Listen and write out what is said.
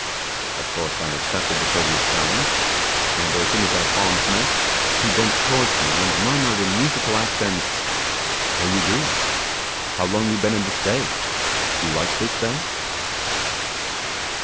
Of course I accepted the courteous challenge, and, as soon as our palms met, he bent towards me, and murmured in musical accents 'How you do?' 'How long you been in this bay?' 'You like this bay?